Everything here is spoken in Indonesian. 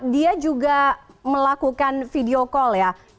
dia juga melakukan video call ya